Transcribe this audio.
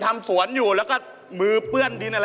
มาซื้อถูกของข้าว